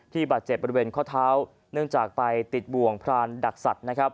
บาดเจ็บบริเวณข้อเท้าเนื่องจากไปติดบ่วงพรานดักสัตว์นะครับ